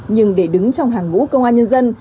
nhưng để đứng trong hàng ngũ công an nhân dân